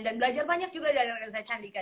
dan belajar banyak juga dari reza chandika